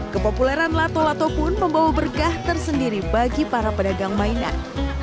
kepopuleran lato lato pun membawa berkah tersendiri bagi para pedagang mainan